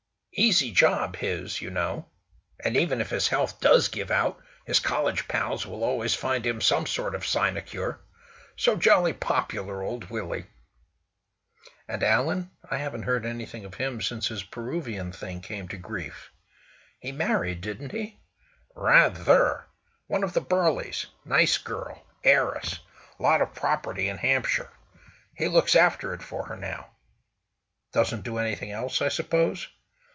"Easy job, his, you know. And even if his health does give out, his college pals will always find him some sort of sinecure. So jolly popular, old Willie!" "And Alan? I haven't heard anything of him since his Peruvian thing came to grief. He married, didn't he?" "Rather! One of the Burleys. Nice girl—heiress; lot of property in Hampshire. He looks after it for her now." "Doesn't do anything else, I suppose?"